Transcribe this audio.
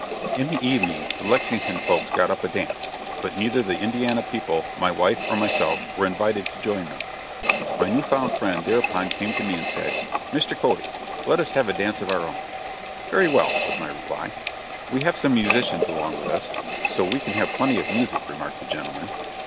In the evening the Lexington folks got up a dance, but neither the Indiana people, my wife or myself were invited to join them. My new found friend thereupon came to me and said: "Mr. Cody, let us have a dance of our own." "Very well," was my reply. "We have some musicians along with us, so we can have plenty of music," remarked the gentleman.